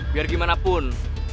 biar gimana pun